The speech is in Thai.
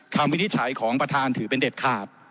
วินิจฉัยของประธานถือเป็นเด็ดขาด